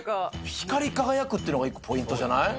光り輝くっていうのが１個ポイントじゃない？